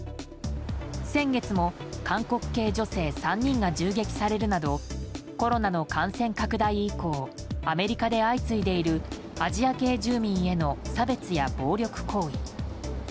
先月も韓国系女性３人が銃撃されるなどコロナの感染拡大以降アメリカで相次いでいるアジア系住民への差別や暴力行為。